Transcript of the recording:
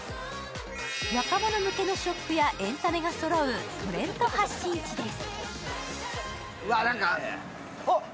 若者向けのショップやエンタメがそろう、トレンド発信地です。